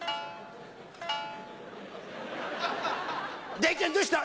「太ちゃんどうした？」。